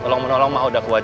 tolong menolong maudah ku aja